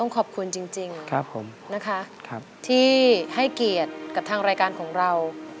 ขอบคุณจริงนะคะที่ให้เกียรติกับทางรายการของเรา